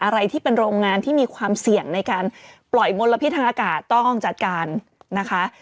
อะไรที่เป็นโรงงานที่มีความเสี่ยงในการปล่อยมลพิษทางอากาศต้องจัดการนะคะ